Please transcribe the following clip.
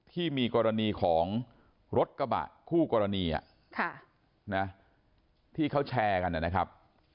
ที่มีกรณีของรถกระบะคู่กรณีที่เขาแชร์กันนะครับ